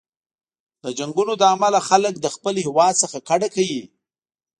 د جنګونو له امله خلک له خپل هیواد څخه کډه کوي.